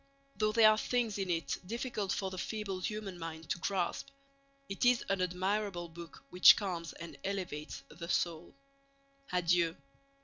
Though there are things in it difficult for the feeble human mind to grasp, it is an admirable book which calms and elevates the soul. Adieu!